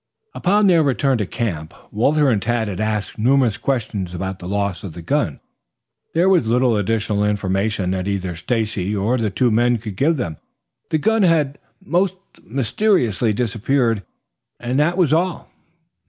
Upon their return to camp, Walter and Tad had asked numerous questions about the loss of the gun. There was little additional information that either Stacy or the two men could give them. The gun had most mysteriously disappeared, that was all.